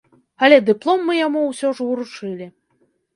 Але дыплом мы яму ўсё ж уручылі.